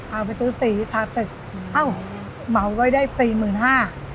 เอาไปซื้อสีทาตึกเอ้าเหมาไว้ได้สี่หมื่นห้า